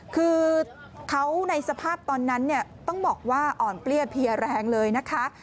คือเขาในสภาพตอนนั้นเนี่ยต้องบอกว่าอ่อนเปรี้ยเพียแรงเลยนะคะ